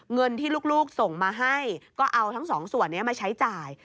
เงินที่ลูกส่งมาให้ก็เอาทั้งสองส่วนนี้มาใช้จ่าย